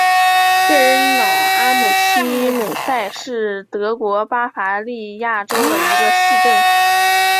贝尔瑙阿姆希姆塞是德国巴伐利亚州的一个市镇。